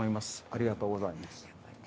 ありがとうございます。